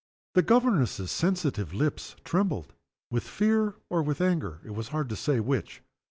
The governess's sensitive lips trembled, with fear or with anger, it was hard to say which.